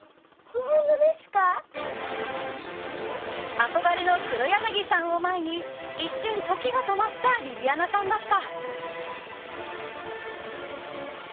憧れの黒柳さんを前に一瞬、時が止まったりりあなさんだった。